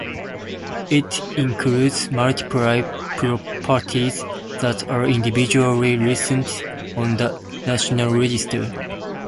It includes multiple properties that are individually listed on the National Register.